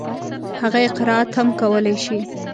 هغه يې قرائت هم کولای شي.